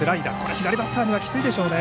左バッターにはきついでしょうね。